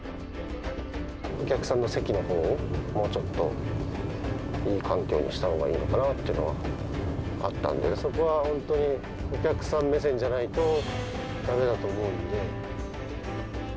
お客さんの席のほうを、もうちょっといい環境にしたほうがいいのかなっていうのはあったんでね、そこは本当にお客さん目線じゃないとだめだと思うんで。